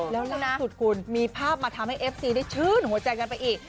แล้วล่าสุดคุณมีภาพมาทำให้เอฟซีได้ชื่นหัวใจกันไปอีก